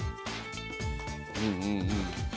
うんうんうん。